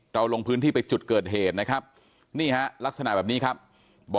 ลงพื้นที่ไปจุดเกิดเหตุนะครับนี่ฮะลักษณะแบบนี้ครับ